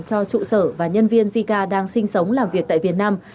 cho trụ sở và nhân viên zika đang sinh sống làm việc tại việt nam